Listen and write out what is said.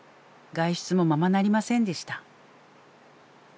外出もままなりませんでした。